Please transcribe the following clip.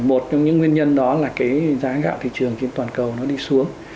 một trong những nguyên nhân đó là cái giá gạo thị trường trên toàn cầu nó đi xuống